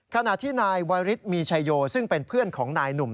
ขณะที่นายวาริสมีชายโยซึ่งเป็นเพื่อนของนายหนุ่ม